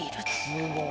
すごい。